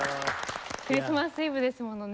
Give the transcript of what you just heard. クリスマスイブですね